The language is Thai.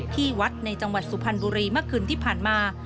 ที่วัดในจังหวัดสุพรรณบุรีเมื่อคืนที่ผ่านมา